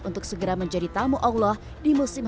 untuk segera menjadi tamu allah di musim